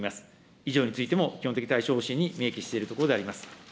以上についても基本的対処方針に明記しているところであります。